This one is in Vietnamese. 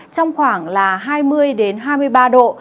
trong khoảng là hai mươi hai mươi ba độ